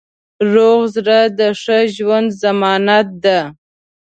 روغ زړه د ښه ژوند ضمانت دی.